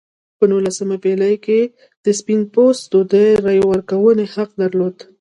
په نولسمې پېړۍ کې سپین پوستو د رایې ورکونې حق درلود.